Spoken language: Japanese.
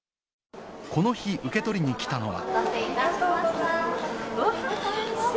この日、受け取りに来たのは。